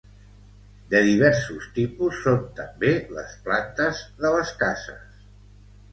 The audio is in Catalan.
De diversos tipus són també les plantes de les cases.